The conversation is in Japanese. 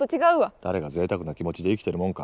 誰がぜいたくな気持ちで生きてるもんか。